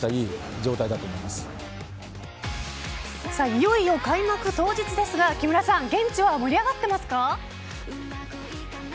いよいよ開幕当日ですが木村さん現地は盛り上がっていますか？